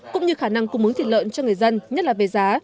cũng như khả năng cung mứng thịt lợn cho người dân nhất là về giá